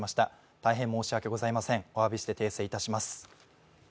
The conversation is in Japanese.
大変申し訳ございません、おわびして訂正いたします。